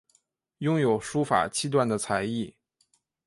拥有书法七段的才艺。